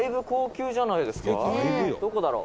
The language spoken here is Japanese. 「どこだろう？」